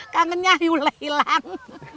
kangennya yulah hilang